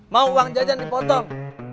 mau uang jajan dipotong